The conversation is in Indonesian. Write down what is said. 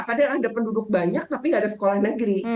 padahal ada penduduk banyak tapi nggak ada sekolah negeri